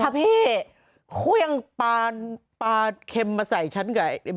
พระเพศคู่ยังปาเข็มมาใส่ฉันกับเบลล่า